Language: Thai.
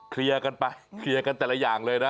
เคลียร์กันไปเคลียร์กันแต่ละอย่างเลยนะ